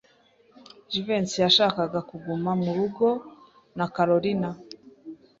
Jivency yashakaga kuguma murugo na Kalorina.